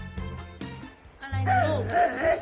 อะไรนะลูก